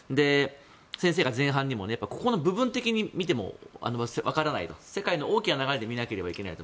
先生が前半にもここを部分的に見ても分からない世界の大きな流れで見なければいけないと。